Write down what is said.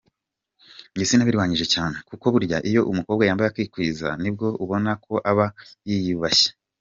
Njye sinabirwanyije cyane kuko burya iyo umukobwa yambaye akikwiza nibwo ubona ko aba yiyubashye”.